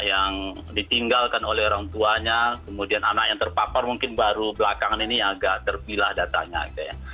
yang ditinggalkan oleh orang tuanya kemudian anak yang terpapar mungkin baru belakangan ini agak terpilah datanya gitu ya